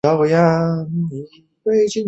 她觉得芭蕾是丑陋且无意义的竞技运动。